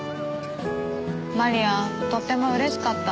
マリアとっても嬉しかった。